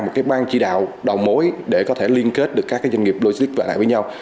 một ban chỉ đạo đầu mối để có thể liên kết được các doanh nghiệp logistics lại với nhau